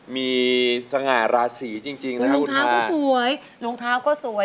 มีสงหาราศีจริงจริงนะคะคุณชายโรงเท้าก็สวยโรงเท้าก็สวย